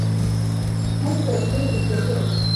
ntukore kuri ibyo ryose